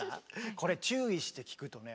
これ注意して聴くとね